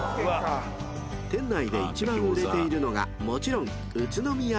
［店内で一番売れているのがもちろん宇都宮餃子］